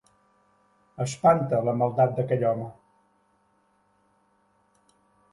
Espanta, la maldat d'aquell home!